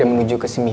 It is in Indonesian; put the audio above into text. aku mau pergi ke rumah